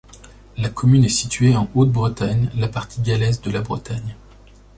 La commune est située en Haute-Bretagne, la partie gallaise de la Bretagne.